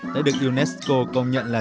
đã được unesco công nhận là